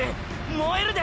燃えるで！！